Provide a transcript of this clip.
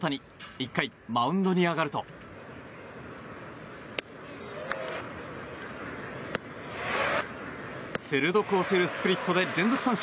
１回、マウンドに上がると鋭く落ちるスプリットで連続三振。